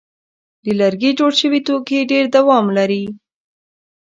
د لرګي جوړ شوي توکي ډېر دوام لري.